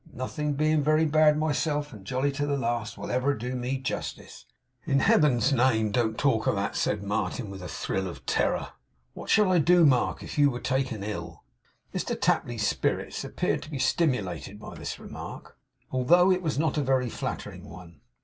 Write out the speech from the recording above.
Nothing but being very bad myself, and jolly to the last, will ever do me justice.' 'In Heaven's name, don't talk of that,' said Martin with a thrill of terror. 'What should I do, Mark, if you were taken ill!' Mr Tapley's spirits appeared to be stimulated by this remark, although it was not a very flattering one.